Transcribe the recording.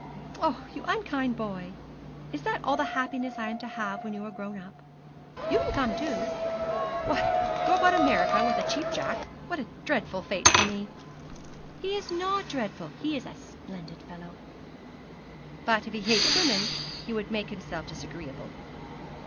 'Oh, you unkind boy! is that all the happiness I am to have when you are grown up.' 'You can come too.' 'What, go about America with a Cheap Jack! What a dreadful fate for me!' 'He is not dreadful he is a splendid fellow.' 'But if he hates women he would make himself disagreeable.'